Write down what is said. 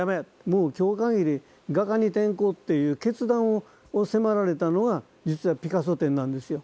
もう今日かぎり画家に転向っていう決断を迫られたのが実はピカソ展なんですよ。